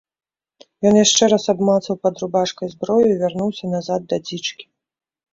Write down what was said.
Ён яшчэ раз абмацаў пад рубашкай зброю і вярнуўся назад да дзічкі.